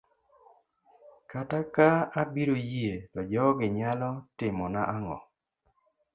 kata ka abiro yie to jogi nyalo timona ang'o?